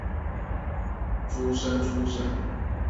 诸生出身。